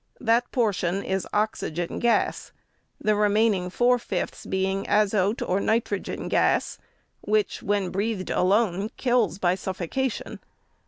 That portion is oxygen gas ; the remaining four fifths being azote or nitrogen gas, which, when breathed alone, kills by suffocation.